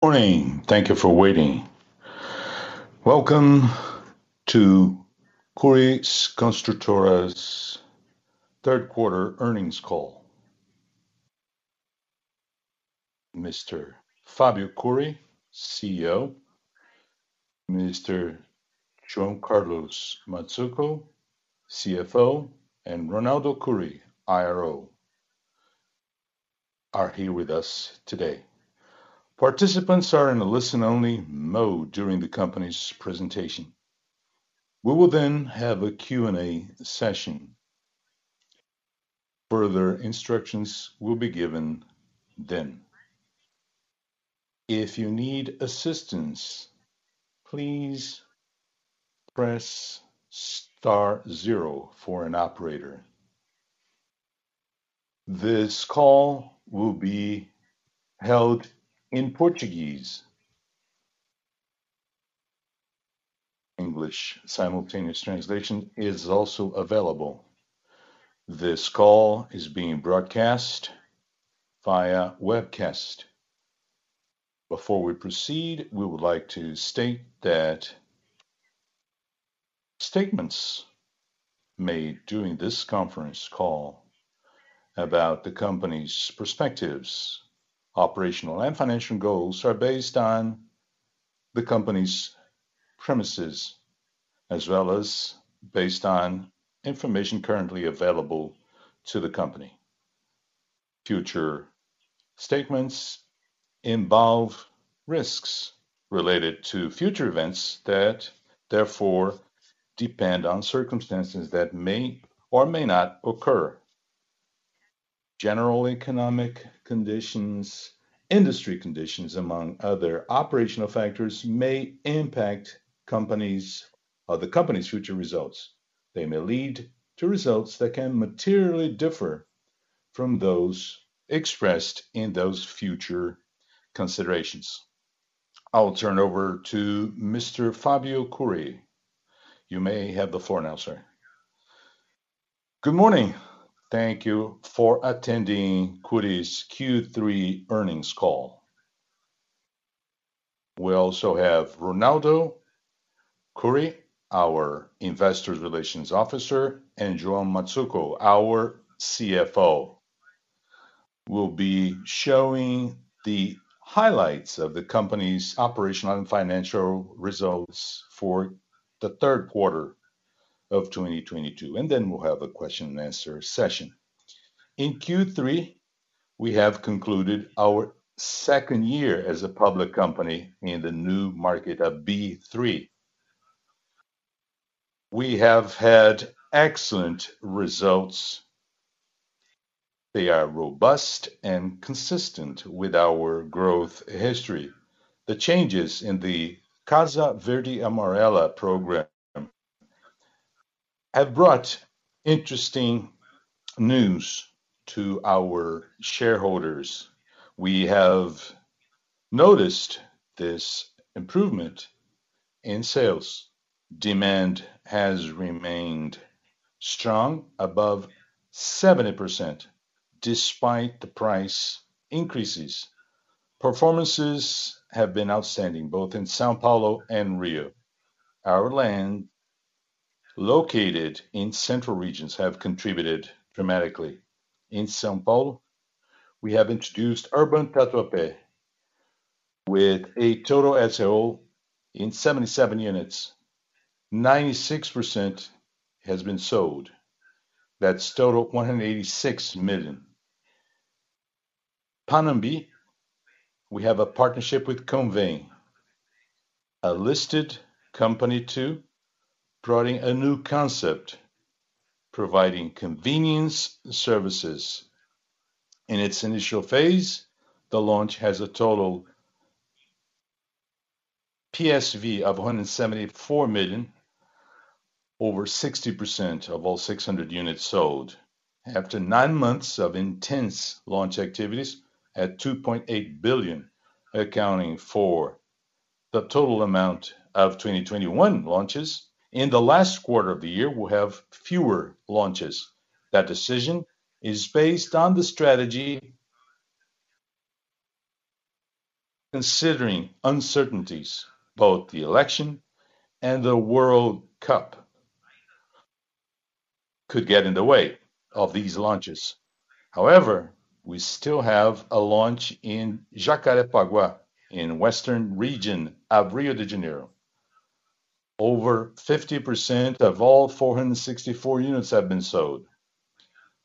Morning. Thank you for waiting. Welcome to Cury Construtora's Q3 earnings call. Mr. Fábio Cury, CEO, Mr. João Carlos Mazzuco, CFO, and Ronaldo Cury, IRO, are here with us today. Participants are in a listen-only mode during the company's presentation. We will then have a Q&A session. Further instructions will be given then. If you need assistance, please press star zero for an operator. This call will be held in Portuguese. English simultaneous translation is also available. This call is being broadcast via webcast. Before we proceed, we would like to state that statements made during this conference call about the company's perspectives, operational and financial goals, are based on the company's premises as well as based on information currently available to the company. Future statements involve risks related to future events that therefore depend on circumstances that may or may not occur. General economic conditions, industry conditions, among other operational factors, may impact companies or the company's future results. They may lead to results that can materially differ from those expressed in those future considerations. I will turn over to Mr. Fábio Cury. You may have the floor now, sir. Good morning. Thank you for attending Cury's Q3 earnings call. We also have Ronaldo Cury, our investor relations officer, and João Carlos Mazzuco, our CFO. We'll be showing the highlights of the company's operational and financial results for the Q3 of 2022, and then we'll have a question and answer session. In Q3, we have concluded our second year as a public company in the new market of B3. We have had excellent results. They are robust and consistent with our growth history. The changes in the Casa Verde e Amarela program have brought interesting news to our shareholders. We have noticed this improvement in sales. Demand has remained strong, above 70% despite the price increases. Performances have been outstanding both in São Paulo and Rio. Our land located in central regions have contributed dramatically. In São Paulo, we have introduced Urban Tatuapé with a total PSV in 77 units. 96% has been sold. That's total BRL 186 million. Panamby, we have a partnership with Cyrela, a listed company too, bringing a new concept providing convenience services. In its initial phase, the launch has a total PSV of 174 million, over 60% of all 600 units sold. After 9 months of intense launch activities at 2.8 billion accounting for the total amount of 2021 launches, in the last quarter of the year we'll have fewer launches. That decision is based on the strategy considering uncertainties. Both the election and the World Cup could get in the way of these launches. However, we still have a launch in Jacarepaguá in the western region of Rio de Janeiro. Over 50% of all 464 units have been sold.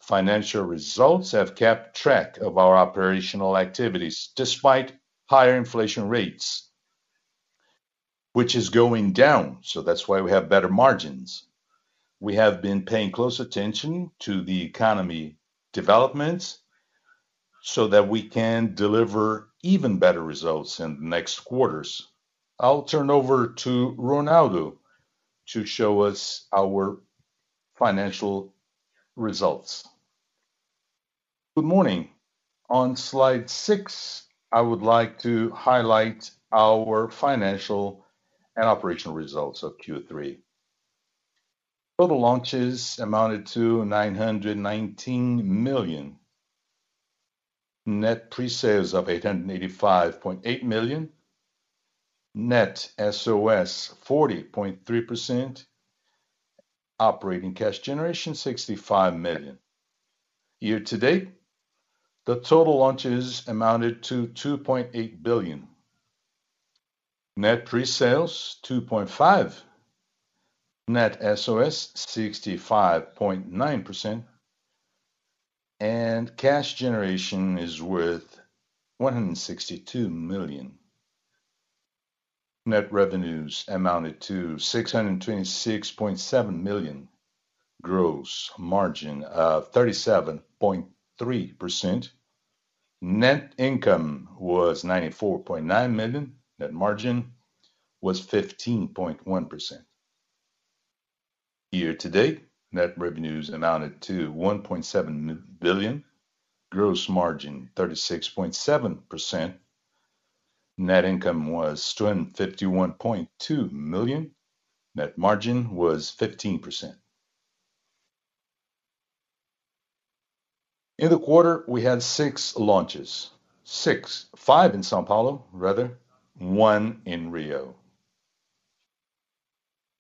Financial results have kept track of our operational activities despite higher inflation rates, which are going down, so that's why we have better margins. We have been paying close attention to the economic developments so that we can deliver even better results in the next quarters. I'll turn over to Ronaldo to show us our financial results. Good morning. On Slide 6, I would like to highlight our financial and operational results of Q3. Total launches amounted to 919 million. Net presales of 885.8 million. Net SOS 40.3%. Operating cash generation 65 million. Year to date, the total launches amounted to 2.8 billion. Net presales 2.5 billion. Net SOS 65.9%. Cash generation is worth 162 million. Net revenues amounted to 626.7 million. Gross margin of 37.3%. Net income was 94.9 million. Net margin was 15.1%. Year to date, net revenues amounted to 1.7 billion. Gross margin 36.7%. Net income was 251.2 million. Net margin was 15%. In the quarter, we had 6 launches. 5 in São Paulo, rather, 1 in Rio.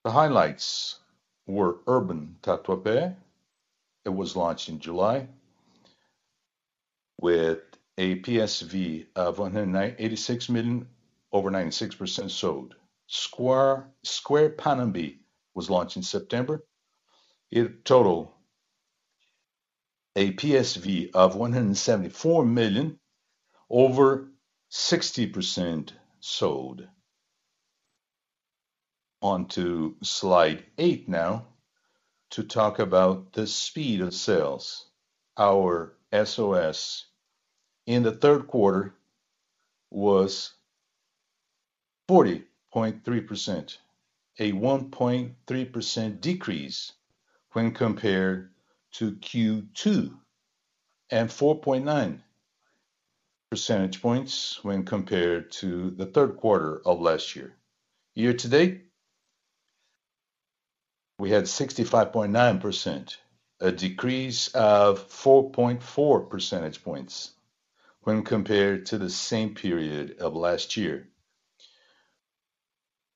The highlights were Urban Tatuapé. It was launched in July with a PSV of 196 million, over 96% sold. Square Panamby was launched in September. In total, a PSV of 174 million, over 60% sold. On to Slide 8 now to talk about the speed of sales. Our SOS in the Q3 was 40.3%, a 1.3% decrease when compared to Q2, and 4.9 percentage points when compared to the Q3 of last year. Year to date, we had 65.9%, a decrease of 4.4 percentage points when compared to the same period of last year.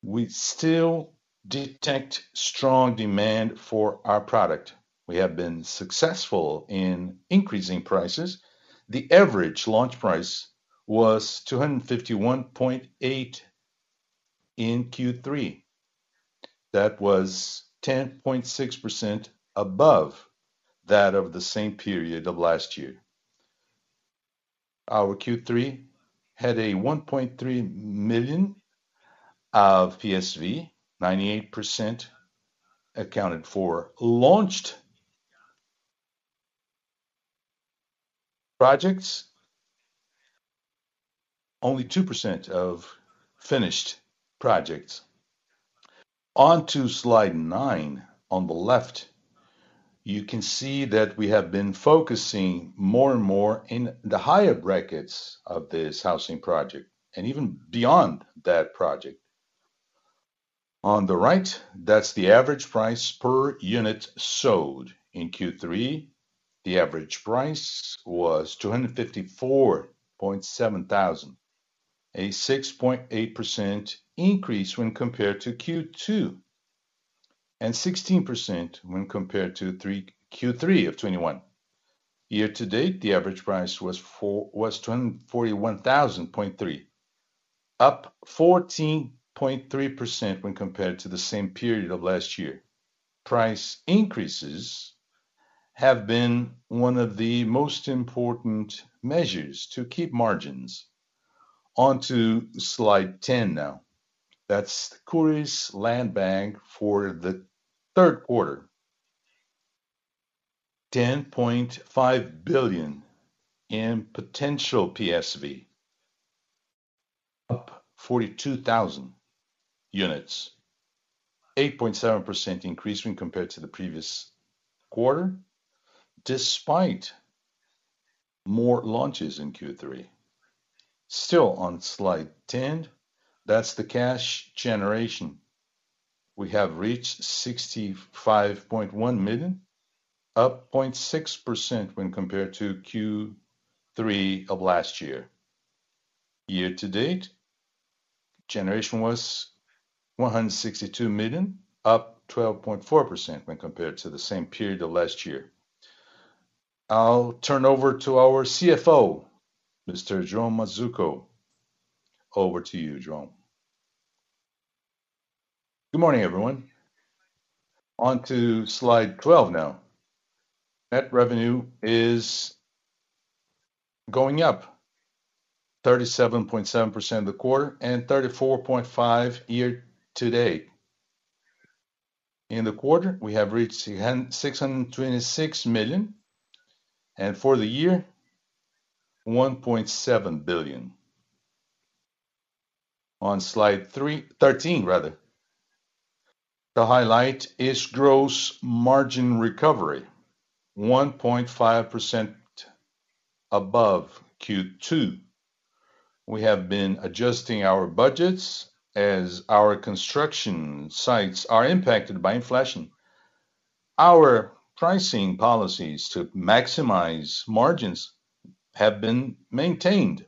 We still detect strong demand for our product. We have been successful in increasing prices. The average launch price was 251.8 in Q3. That was 10.6% above that of the same period of last year. Our Q3 had 1.3 million of PSV, 98% accounted for launched projects, only 2% of finished projects. On to Slide 9. On the left, you can see that we have been focusing more and more in the higher brackets of this housing project and even beyond that project. On the right, that's the average price per unit sold. In Q3, the average price was 254.7 thousand, a 6.8% increase when compared to Q2, and 16% when compared to Q3 of 2021. Year to date, the average price was 241.3 thousand, up 14.3% when compared to the same period of last year. Price increases have been one of the most important measures to keep margins. On to Slide 10 now. That's Cury's land bank for the Q3. 10.5 billion in potential PSV, up 42,000 units. 8.7% increase when compared to the previous quarter despite more launches in Q3. Still on Slide 10, that's the cash generation. We have reached 65.1 million, up 0.6% when compared to Q3 of last year. Year to date, generation was 162 million, up 12.4% when compared to the same period of last year. I'll turn over to our CFO, Mr. João Mazzuco. Over to you, João. Good morning, everyone. On to Slide 12 now. Net revenue is going up 37.7% in the quarter and 34.5% year to date. In the quarter, we have reached 626 million, and for the year, 1.7 billion. On Slide 13, the highlight is gross margin recovery, 1.5% above Q2. We have been adjusting our budgets as our construction sites are impacted by inflation. Our pricing policies to maximize margins have been maintained.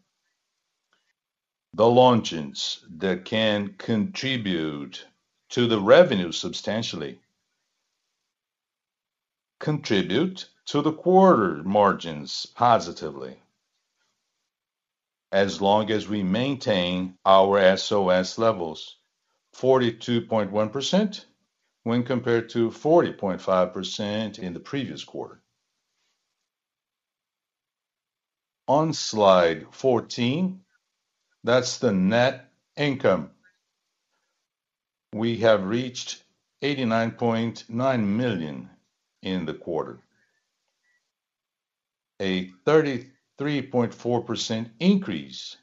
The launches that can contribute to the revenue substantially contribute to the quarter margins positively as long as we maintain our SOS levels. 42.1% when compared to 40.5% in the previous quarter. On Slide 14, that's the net income. We have reached 89.9 million in the quarter. A 33.4% increase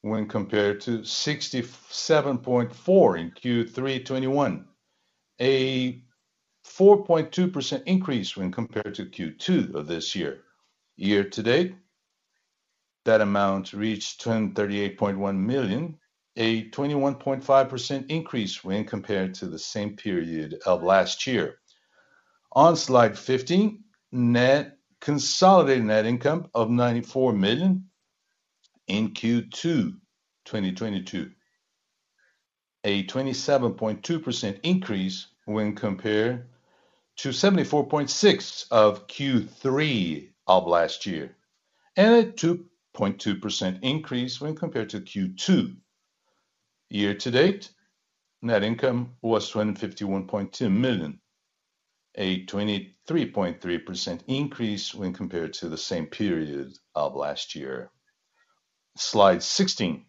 when compared to 67.4 million in Q3 2021. A 4.2% increase when compared to Q2 of this year. Year to date, that amount reached 1,038.1 million, a 21.5% increase when compared to the same period of last year. On Slide 15, net consolidated net income of 94 million in Q2 2022. 27.2% increase when compared to 74.6 of Q3 of last year, and a 2.2% increase when compared to Q2. Year to date, net income was 251.2 million, a 23.3% increase when compared to the same period of last year. Slide 16,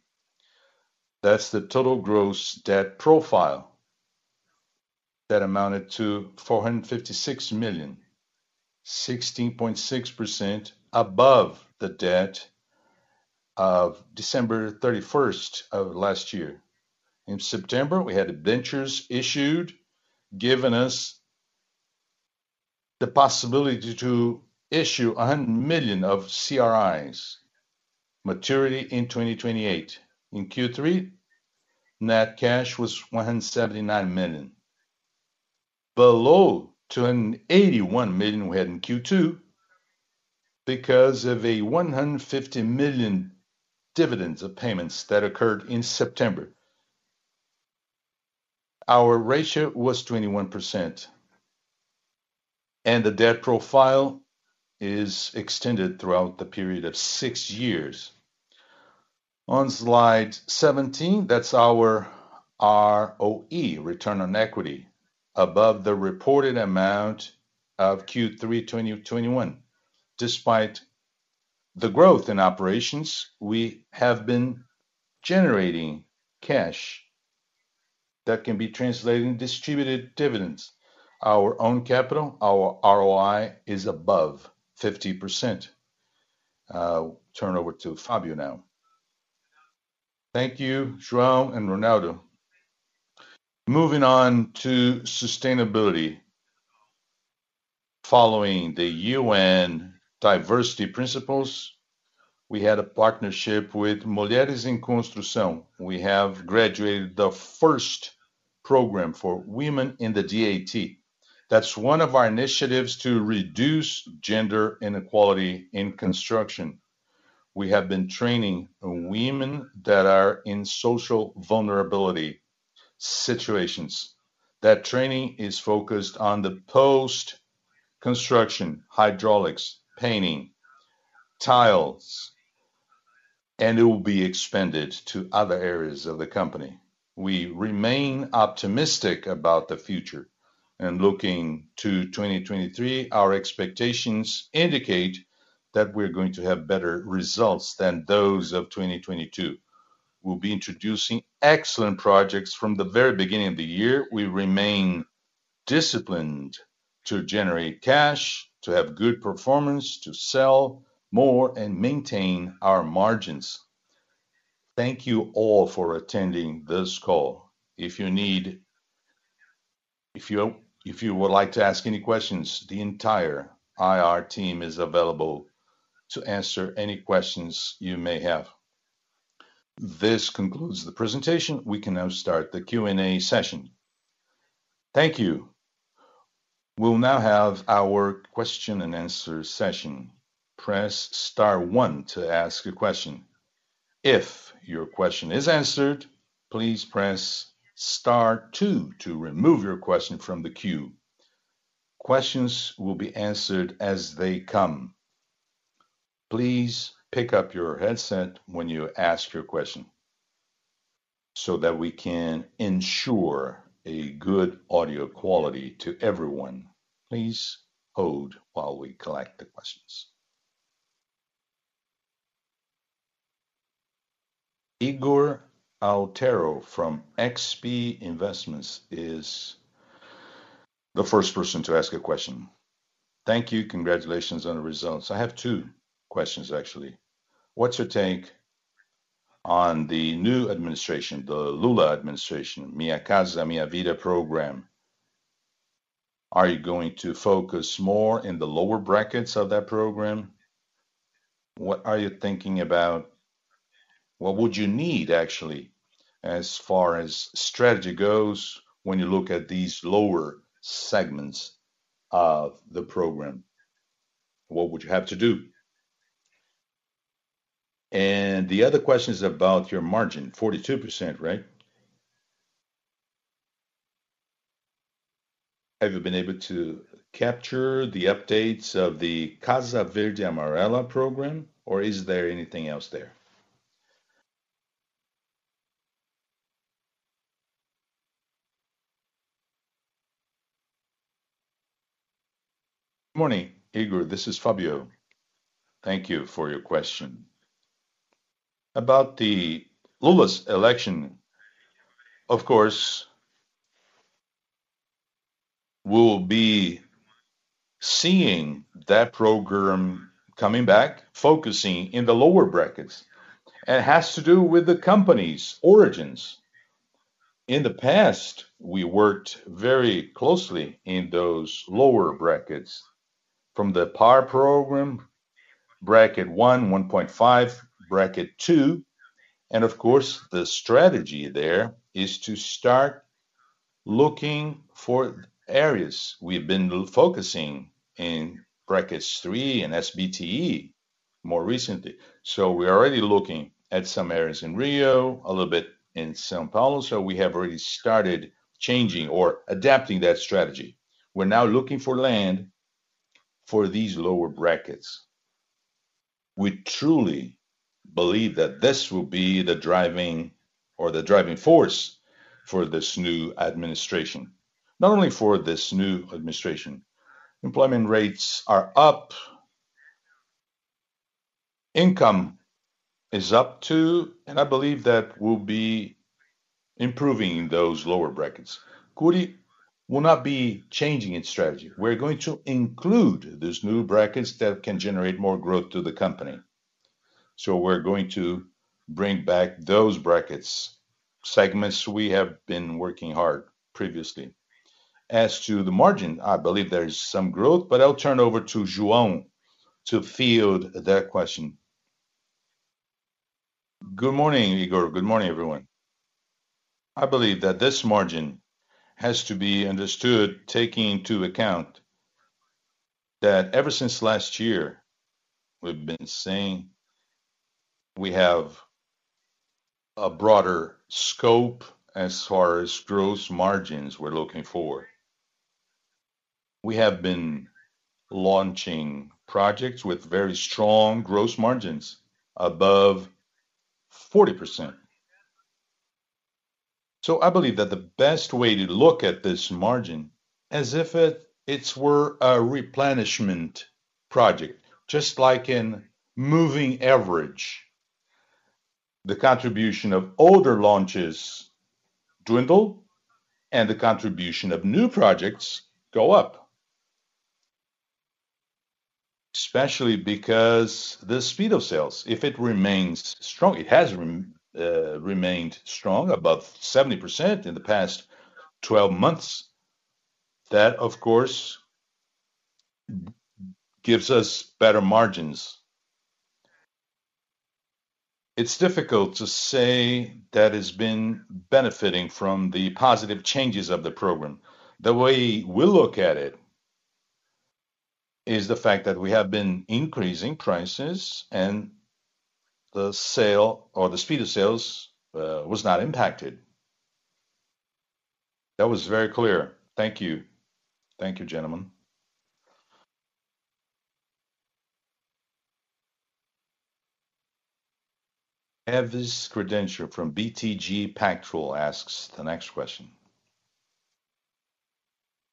that's the total gross debt profile that amounted to 456 million, 16.6% above the debt of December 31 of last year. In September, we had debentures issued, giving us the possibility to issue 100 million of CRIs maturity in 2028. In Q3, net cash was 179 million, below 281 million we had in Q2 because of a 150 million dividend payments that occurred in September. Our ratio was 21%, and the debt profile is extended throughout the period of 6 years. On Slide 17, that's our ROE, return on equity, above the reported amount of Q3 2021. Despite the growth in operations, we have been generating cash that can be translated into distributed dividends. Our own capital, our ROI is above 50%. Turn over to Fábio now. Thank you, João and Ronaldo. Moving on to sustainability. Following the UN diversity principles, we had a partnership with Instituto Mulheres em Construção. We have graduated the first program for women in the DAT. That's one of our initiatives to reduce gender inequality in construction. We have been training women that are in social vulnerability situations. That training is focused on the post-construction hydraulics, painting, tiles, and it will be expanded to other areas of the company. We remain optimistic about the future, and looking to 2023, our expectations indicate that we're going to have better results than those of 2022. We'll be introducing excellent projects from the very beginning of the year. We remain disciplined to generate cash, to have good performance, to sell more and maintain our margins. Thank you all for attending this call. If you would like to ask any questions, the entire IR team is available to answer any questions you may have. This concludes the presentation. We can now start the Q&A session. Thank you. We'll now have our question and answer session. Press star one to ask a question. If your question is answered, please press star two to remove your question from the queue. Questions will be answered as they come. Please pick up your headset when you ask your question so that we can ensure a good audio quality to everyone. Please hold while we collect the questions. Igor Otero from XP Investments is the first person to ask a question. Thank you. Congratulations on the results. I have two questions, actually. What's your take on the new administration, the Lula administration, Minha Casa, Minha Vida program? Are you going to focus more in the lower brackets of that program? What are you thinking about? What would you need actually as far as strategy goes when you look at these lower segments of the program? What would you have to do? The other question is about your margin, 42%, right? Have you been able to capture the updates of the Casa Verde e Amarela program, or is there anything else there? Good morning, Igor. This is Fabio. Thank you for your question. About Lula's election, of course, we'll be seeing that program coming back, focusing in the lower brackets. It has to do with the company's origins. In the past, we worked very closely in those lower brackets from the PAR program, bracket 1.5, bracket 2. Of course, the strategy there is to start looking for areas. We've been focusing in brackets 3 and SBPE more recently. We're already looking at some areas in Rio, a little bit in São Paulo. We have already started changing or adapting that strategy. We're now looking for land for these lower brackets. We truly believe that this will be the driving force for this new administration. Not only for this new administration. Employment rates are up, income is up too, and I believe that we'll be improving those lower brackets. Cury will not be changing its strategy. We're going to include these new brackets that can generate more growth to the company. We're going to bring back those brackets, segments we have been working hard previously. As to the margin, I believe there is some growth, but I'll turn over to João to field that question. Good morning, Igor. Good morning, everyone. I believe that this margin has to be understood taking into account that ever since last year, we've been saying we have a broader scope as far as gross margins we're looking for. We have been launching projects with very strong gross margins above 40%. I believe that the best way to look at this margin as if it were a replenishment project, just like in moving average. The contribution of older launches dwindle, and the contribution of new projects go up. Especially because the speed of sales, if it remains strong, it has remained strong, above 70% in the past 12 months. That, of course, gives us better margins. It's difficult to say that it's been benefiting from the positive changes of the program. The way we look at it is the fact that we have been increasing prices and the sale or the speed of sales was not impacted. That was very clear. Thank you. Thank you, gentlemen. Elvis Credendio from BTG Pactual asks the next question.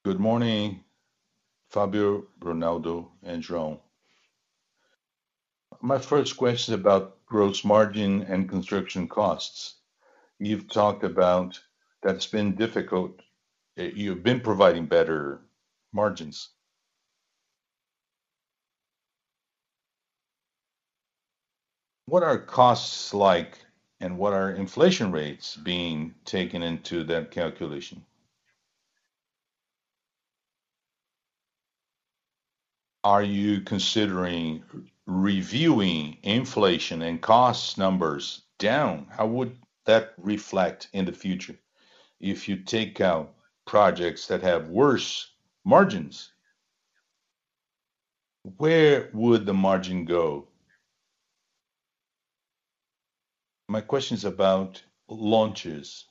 Good morning, Fábio, Ronaldo, and João. My first question about gross margin and construction costs. You've talked about that it's been difficult, you've been providing better margins. What are costs like, and what are inflation rates being taken into that calculation? Are you considering reviewing inflation and cost numbers down? How would that reflect in the future if you take out projects that have worse margins? Where would the margin go? My question is about launches.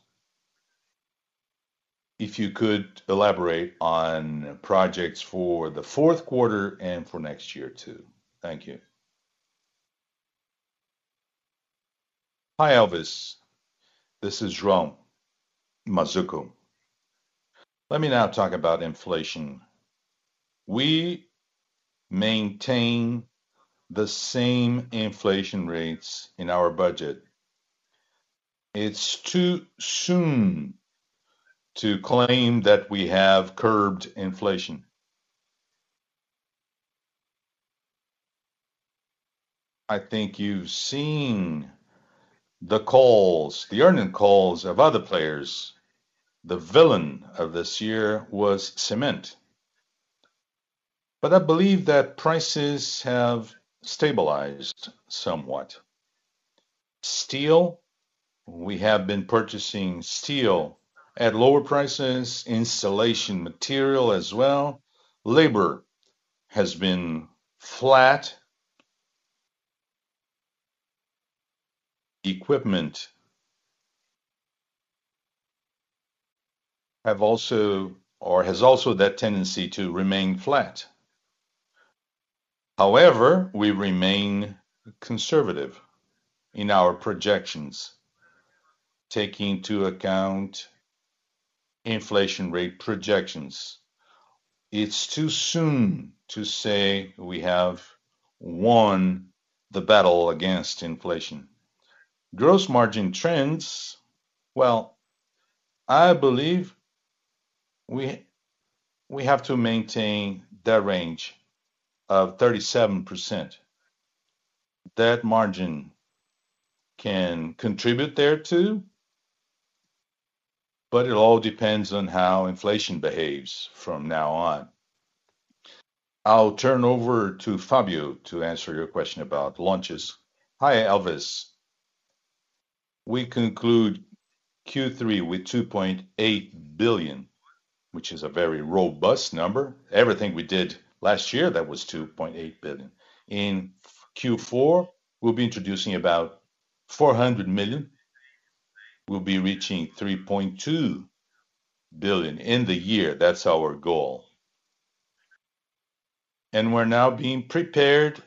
If you could elaborate on projects for the Q4 and for next year too. Thank you. Hi, Elvis. This is João Mazzuco. Let me now talk about inflation. We maintain the same inflation rates in our budget. It's too soon to claim that we have curbed inflation. I think you've seen the calls, the earnings calls of other players. The villain of this year was cement. But I believe that prices have stabilized somewhat. Steel, we have been purchasing steel at lower prices, installation material as well. Labor has been flat. Equipment has also that tendency to remain flat. However, we remain conservative in our projections, taking into account inflation rate projections. It's too soon to say we have won the battle against inflation. Gross margin trends, well, I believe we have to maintain that range of 37%. That margin can contribute thereto, but it all depends on how inflation behaves from now on. I'll turn over to Fábio to answer your question about launches. Hi, Elvis. We conclude Q3 with 2.8 billion, which is a very robust number. Everything we did last year, that was 2.8 billion. In Q4, we'll be introducing about 400 million. We'll be reaching 3.2 billion in the year. That's our goal. We're now being prepared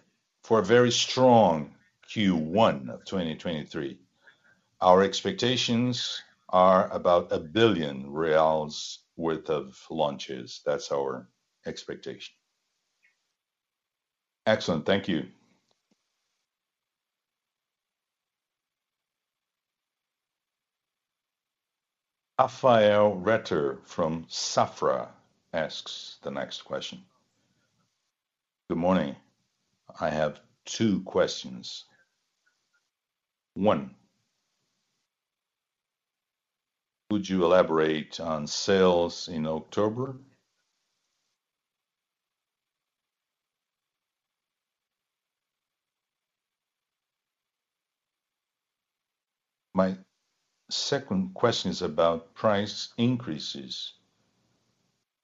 for a very strong Q1 of 2023. Our expectations are about 1 billion reais worth of launches. That's our expectation. Excellent. Thank you. Rafael Rehder from Safra asks the next question. Good morning. I have two questions. One, would you elaborate on sales in October? My second question is about price increases.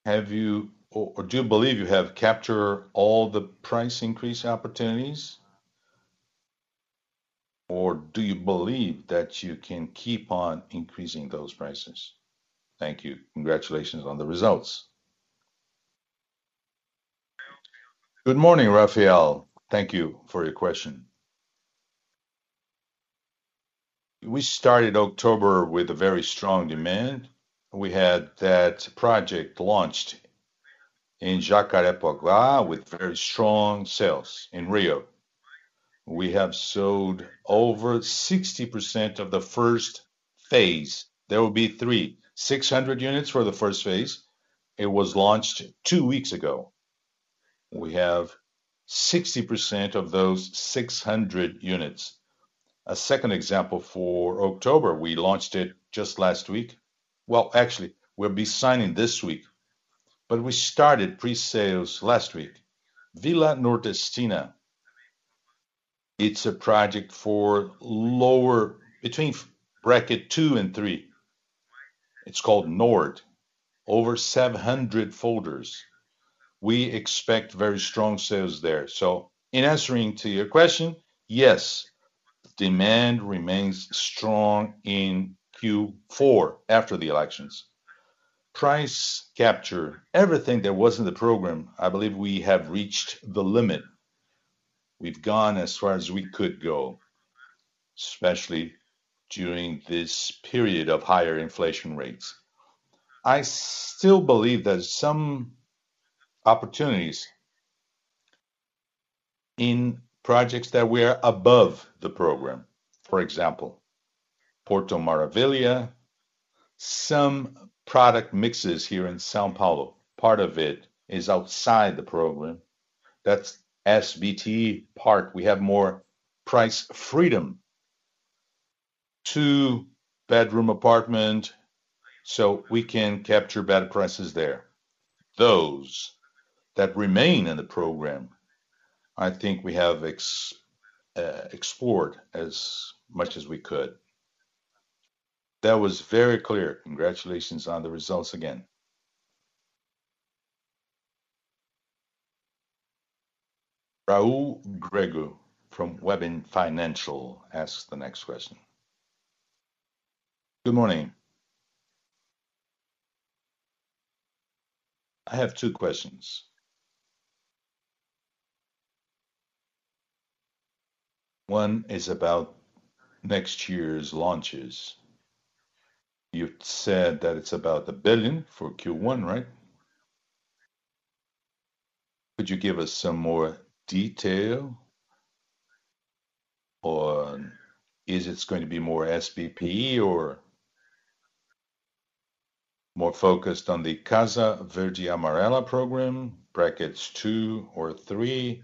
Have you, or do you believe you have captured all the price increase opportunities, or do you believe that you can keep on increasing those prices? Thank you. Congratulations on the results. Good morning, Rafael. Thank you for your question. We started October with a very strong demand. We had that project launched in Jacarepaguá with very strong sales in Rio. We have sold over 60% of the first phase. There will be 3. 600 units for the first phase. It was launched two weeks ago. We have 60% of those 600 units.A second example for October, we launched it just last week. Well, actually, we'll be signing this week, but we started pre-sales last week. Vila Nordestina, it's a project for lower, between bracket two and three. It's called Nord. Over 700 folders. We expect very strong sales there. In answering to your question, yes, demand remains strong in Q4 after the elections. Price capture, everything that was in the program, I believe we have reached the limit. We've gone as far as we could go, especially during this period of higher inflation rates. I still believe there's some opportunities in projects that were above the program. For example, Porto Maravilha, some product mixes here in São Paulo, part of it is outside the program. That's SBT Park. We have more price freedom. Two-bedroom apartment, so we can capture better prices there. Those that remain in the program, I think we have explored as much as we could. That was very clear. Congratulations on the results again. Raul Grego from Eleven Financial asks the next question. Good morning. I have two questions. One is about next year's launches. You've said that it's about 1 billion for Q1, right? Could you give us some more detail on is it going to be more SBPE or more focused on the Casa Verde Amarela program, brackets two or three,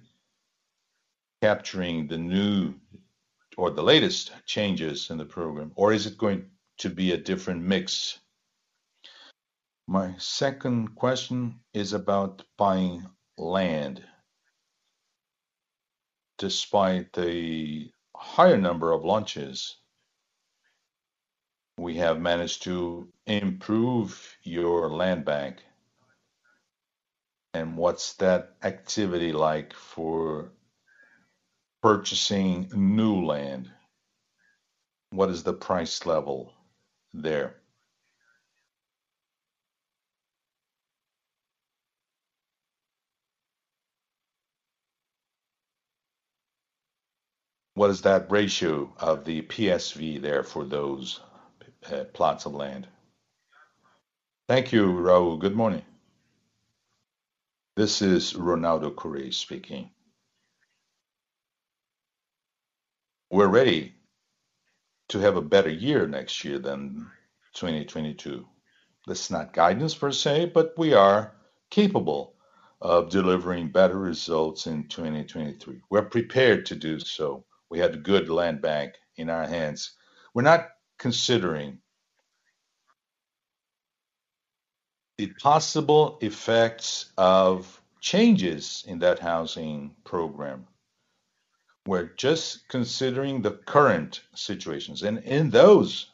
capturing the new or the latest changes in the program, or is it going to be a different mix? My second question is about buying land. Despite the higher number of launches, we have managed to improve your land bank. What's that activity like for purchasing new land? What is the price level there? What is that ratio of the PSV there for those plots of land? Thank you, Raul. Good morning. This is Ronaldo Cury speaking. We're ready to have a better year next year than 2022. That's not guidance per se, but we are capable of delivering better results in 2023. We're prepared to do so. We have good land bank in our hands. We're not considering the possible effects of changes in that housing program. We're just considering the current situations. In those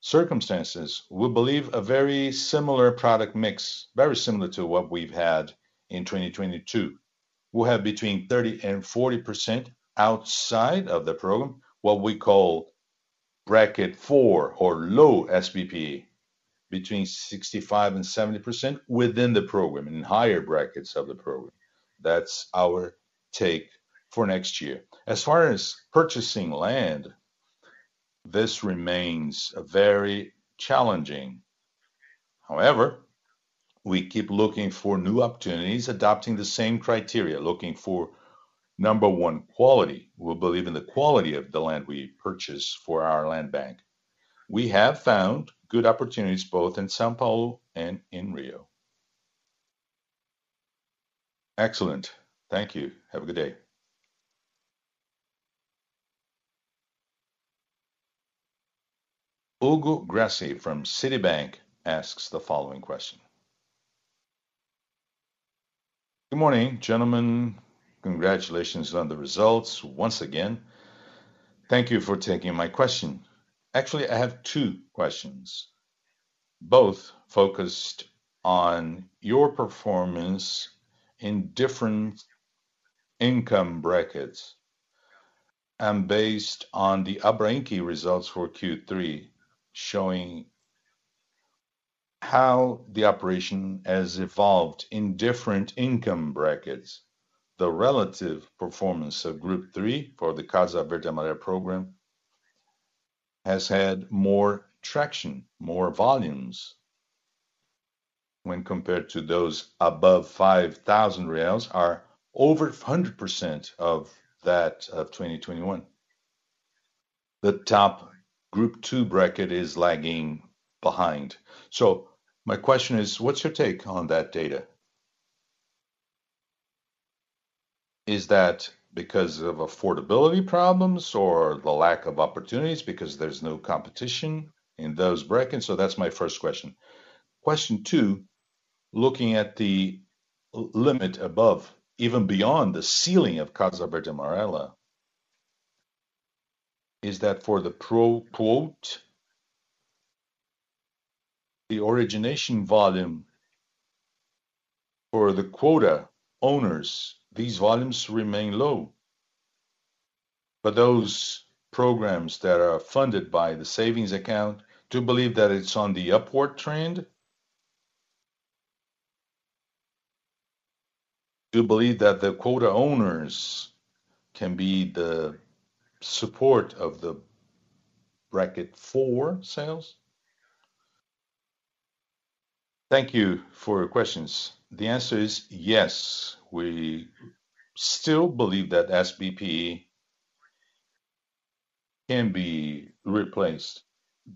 circumstances, we believe a very similar product mix, very similar to what we've had in 2022. We'll have between 30% and 40% outside of the program, what we call bracket four or low SBPE. Between 65% and 70% within the program, in higher brackets of the program. That's our take for next year. As far as purchasing land, this remains very challenging. However, we keep looking for new opportunities, adopting the same criteria, looking for, number one, quality. We believe in the quality of the land we purchase for our land bank. We have found good opportunities both in São Paulo and in Rio. Excellent. Thank you. Have a good day. Hugo Grassi from Citibank asks the following question. Good morning, gentlemen. Congratulations on the results once again. Thank you for taking my question. Actually, I have two questions, both focused on your performance in different income brackets, and based on the Abrainc results for Q3, showing how the operation has evolved in different income brackets. The relative performance of group three for the Casa Verde e Amarela program has had more traction, more volumes when compared to those above 5,000 reais are over 100% of that of 2021. The top group two bracket is lagging behind. My question is, what's your take on that data? Is that because of affordability problems or the lack of opportunities because there's no competition in those brackets? That's my first question. Question two, looking at the limit above, even beyond the ceiling of Casa Verde e Amarela, is that for the pro-quota, the origination volume or the quota owners, these volumes remain low. Those programs that are funded by the savings account, do you believe that it's on the upward trend? Do you believe that the quota owners can be the support of the bracket four sales? Thank you for your questions. The answer is yes. We still believe that SBPE can be replaced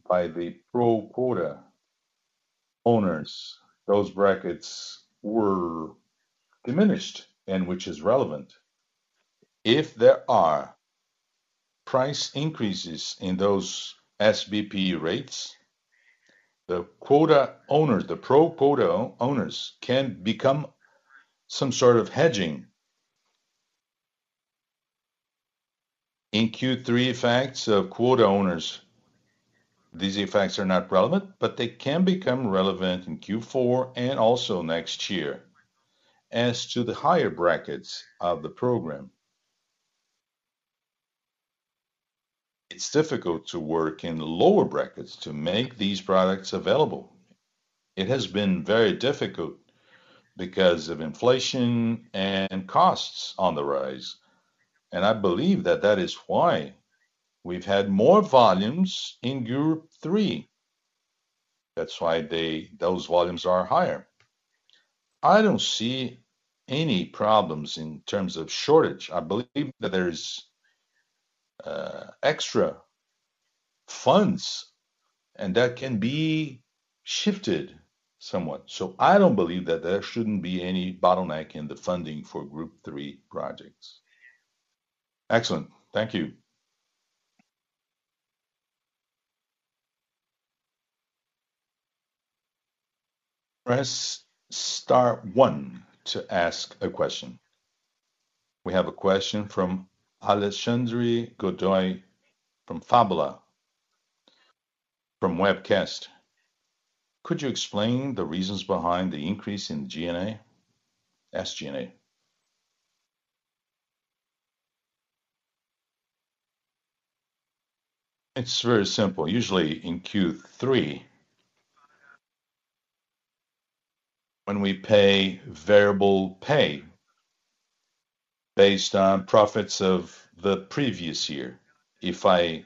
by the pro-quota. Those brackets were diminished, which is relevant. If there are price increases in those SBPE rates, the quota owners, the pro-quota owners can become some sort of hedging. In Q3 effects of quota owners, these effects are not relevant, but they can become relevant in Q4 and also next year. As to the higher brackets of the program, it's difficult to work in the lower brackets to make these products available. It has been very difficult because of inflation and costs on the rise, and I believe that that is why we've had more volumes in group three. That's why those volumes are higher. I don't see any problems in terms of shortage. I believe that there is extra funds and that can be shifted somewhat. I don't believe that there shouldn't be any bottleneck in the funding for group three projects. Excellent. Thank you. Press star one to ask a question. We have a question from Alexandre Godoy from Fábula from webcast. Could you explain the reasons behind the increase in G&A, SG&A? It's very simple. Usually in Q3, when we pay variable pay based on profits of the previous year, if I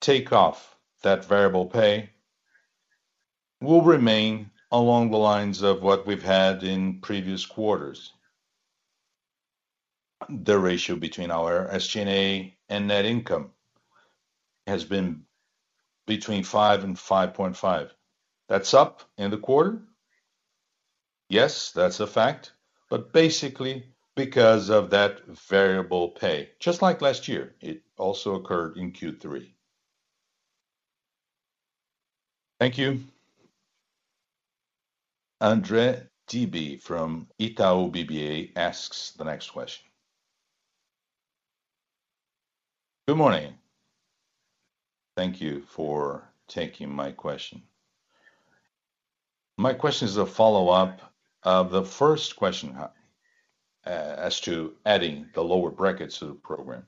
take off that variable pay, will remain along the lines of what we've had in previous quarters. The ratio between our SG&A and net income has been between 5% and 5.5%. That's up in the quarter. Yes, that's a fact, but basically because of that variable pay. Just like last year, it also occurred in Q3. Thank you. André Dibe from Itaú BBA asks the next question. Good morning. Thank you for taking my question. My question is a follow-up of the first question, as to adding the lower brackets to the program.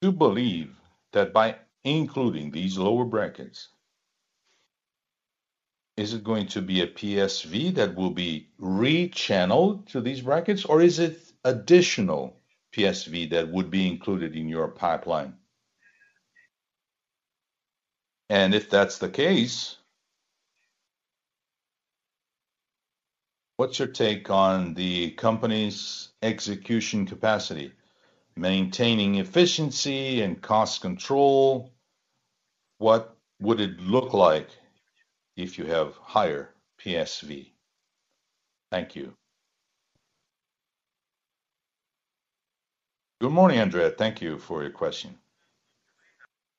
Do you believe that by including these lower brackets, is it going to be a PSV that will be re-channeled to these brackets, or is it additional PSV that would be included in your pipeline? If that's the case, what's your take on the company's execution capacity, maintaining efficiency and cost control? What would it look like if you have higher PSV? Thank you. Good morning, André Dibe. Thank you for your question.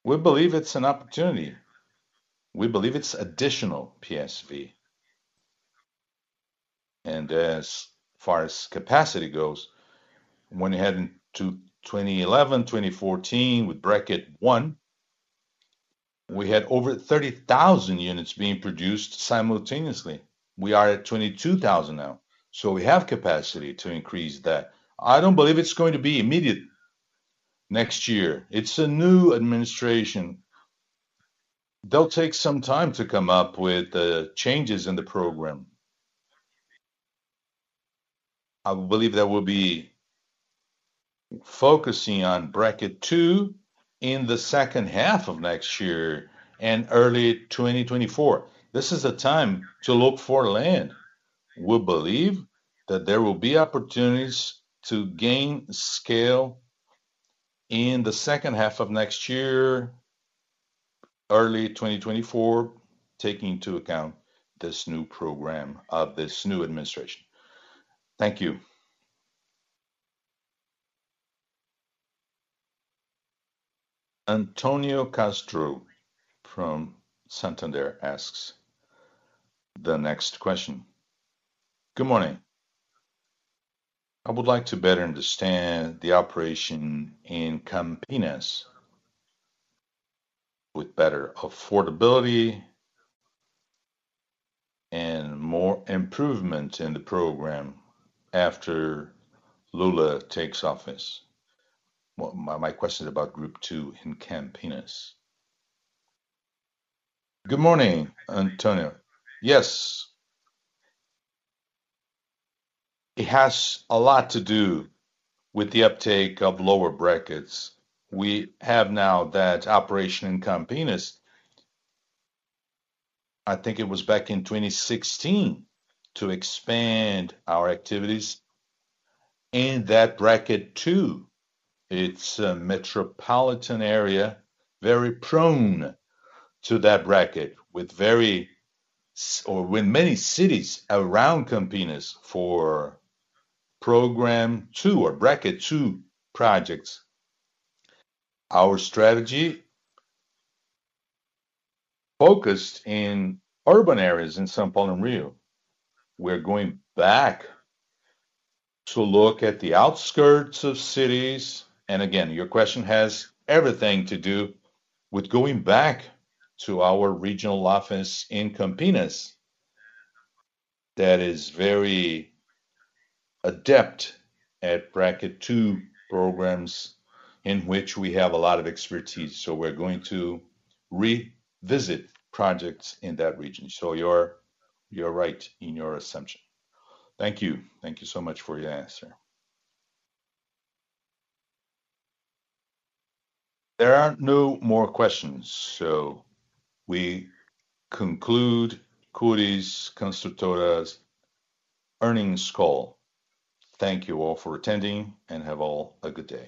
We believe it's an opportunity. We believe it's additional PSV. As far as capacity goes, when you head into 2011, 2014 with bracket one, we had over 30,000 units being produced simultaneously. We are at 22,000 now, so we have capacity to increase that. I don't believe it's going to be immediate next year. It's a new administration. They'll take some time to come up with the changes in the program. I believe they will be focusing on bracket 2 in the second half of next year and early 2024. This is a time to look for land. We believe that there will be opportunities to gain scale in the second half of next year, early 2024, taking into account this new program of this new administration. Thank you. Antonio Castro from Santander asks the next question. Good morning. I would like to better understand the operation in Campinas with better affordability and more improvement in the program after Lula takes office. Well, my question is about bracket 2 in Campinas. Good morning, Antonio. Yes. It has a lot to do with the uptake of lower brackets. We have now that operation in Campinas, I think it was back in 2016, to expand our activities in that bracket 2. It's a metropolitan area, very prone to that bracket with many cities around Campinas for program two or bracket two projects. Our strategy focused in urban areas in São Paulo and Rio. We're going back to look at the outskirts of cities. Again, your question has everything to do with going back to our regional office in Campinas that is very adept at bracket two programs in which we have a lot of expertise. We're going to revisit projects in that region. You're right in your assumption. Thank you. Thank you so much for your answer. There are no more questions, so we conclude Cury Construtora's earnings call. Thank you all for attending, and have all a good day.